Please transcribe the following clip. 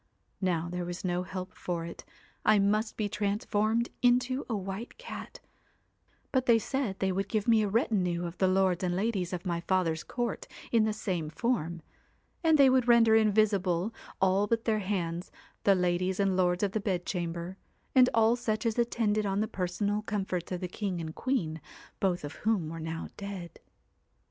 Now there was no help for it, I must be trans formed into a white cat ; but they said they would give me a retinue of the lords and ladies of my father's court in the same form ; and they would render invisible, all but their hands, the ladies and 224 lords of the bedchamber, and all such as attended on the personal comforts of the king and queen, both of whom were now dead.